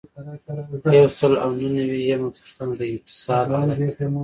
یو سل او نهه نوي یمه پوښتنه د انفصال حالت دی.